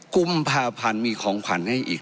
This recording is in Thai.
กุมภาพันธ์มีของขวัญให้อีก